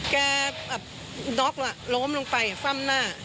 แก่น็อคล้อมลงไปฝั่งหน้า